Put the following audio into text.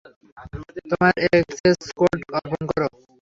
তোমাদের access code অর্পণ করো।